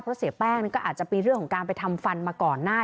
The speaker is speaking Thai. เพราะเสียแป้งก็อาจจะมีเรื่องของการไปทำฟันมาก่อนหน้า